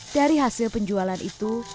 dari hasil penjualan itu